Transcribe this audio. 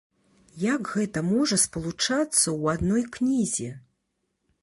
Як гэта можа спалучацца ў адной кнізе?